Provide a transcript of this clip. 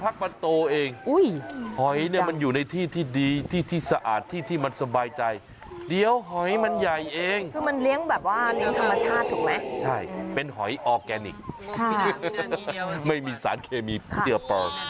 คือมันเลี้ยงแบบว่าเลี้ยงธรรมชาติถูกไหมใช่เป็นหอยออร์แกนิคไม่มีสารเคมีที่จะเปิด